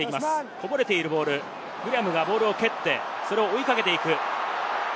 こぼれているボール、グレアムがボールを蹴って、それを追いかけていく。